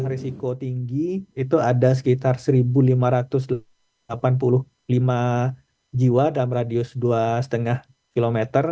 risiko tinggi itu ada sekitar satu lima ratus delapan puluh lima jiwa dalam radius dua lima km